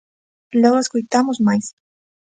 Logo escoitamos máis.